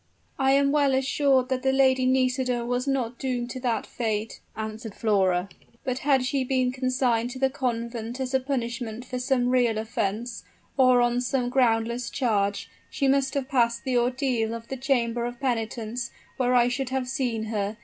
"I am well assured that the Lady Nisida was not doomed to that fate," answered Flora; "for had she been consigned to the convent, as a punishment for some real offense, or on some groundless charge, she must have passed the ordeal of the chamber of penitence, where I should have seen her.